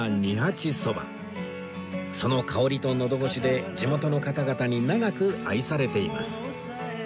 その香りとのど越しで地元の方々に長く愛されています